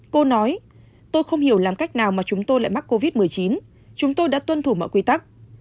cô nói tôi không hiểu làm cách nào mà chúng tôi lại mắc covid một mươi chín chúng tôi đã tuân thủ mọi quy tắc